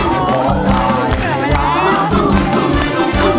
ร้องได้ให้ร้าน